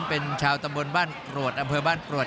เป็นชาวตำบลบ้านกรวดอำเภอบ้านกรวด